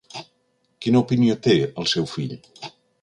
Quina opinió té el seu fill?